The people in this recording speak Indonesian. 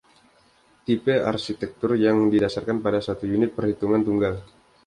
Tipe arsitektur yang didasarkan pada satu unit perhitungan tunggal.